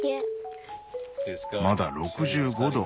まだ６５度。